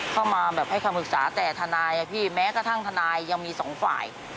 เข้ามาแบบให้คำปรึกษาแต่ทนายอะพี่แม้กระทั่งทนายยังมีสองฝ่าย